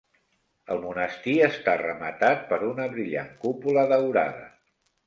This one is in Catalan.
El monestir està rematat per una brillant cúpula daurada.